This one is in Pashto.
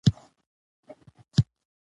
د پښو د بوی لپاره پښې په مالګه اوبو کې کیږدئ